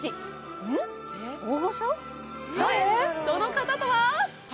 その方とは？